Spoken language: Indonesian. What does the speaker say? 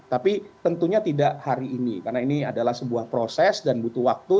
tapi tentunya tidak hari ini karena ini adalah sebuah proses dan butuh waktu